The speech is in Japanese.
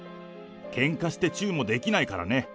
けんかしてチューもできないからね。